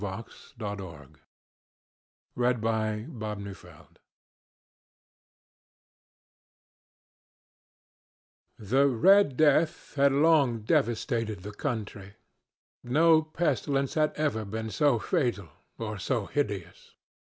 THE MASQUE OF THE RED DEATH. The "Red Death" had long devastated the country. No pestilence had ever been so fatal, or so hideous.